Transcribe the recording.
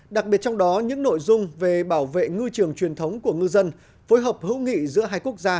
đặc biệt trong đó những nội dung về bảo vệ ngư trường truyền thống của ngư dân phối hợp hữu nghị giữa hai quốc gia